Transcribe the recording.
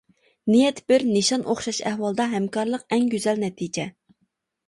نىيەت بىر، نىشان ئوخشاش ئەھۋالدا ھەمكارلىق ئەڭ گۈزەل نەتىجە.